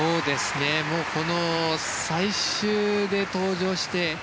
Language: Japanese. もう、最終で登場してね。